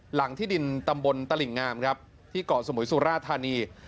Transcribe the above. หลังที่ดินตำบลตลิ่งงามครับที่เกาะสมุยสุราธานี